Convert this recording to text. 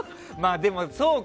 でも、そうか。